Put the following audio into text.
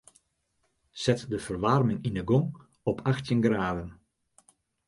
Set de ferwaarming yn 'e gong op achttjin graden.